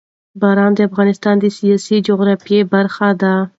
باران د افغانستان د سیاسي جغرافیه برخه ده.